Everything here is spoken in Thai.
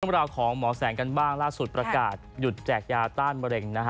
ราวของหมอแสงกันบ้างล่าสุดประกาศหยุดแจกยาต้านมะเร็งนะฮะ